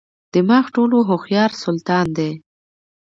دماغ ټولو هوښیار سلطان دی.